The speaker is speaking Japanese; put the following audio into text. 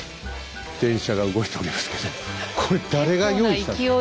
電車が動いておりますけどこれ誰が用意したの？